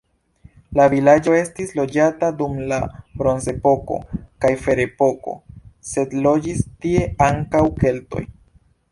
La vilaĝo estis loĝata dum la bronzepoko kaj ferepoko, sed loĝis tie ankaŭ keltoj.